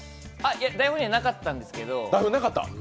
いや、台本にはなかったんですけど。